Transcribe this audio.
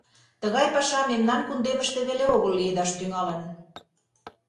Тыгай паша мемнан кундемыште веле огыл лиедаш тӱҥалын.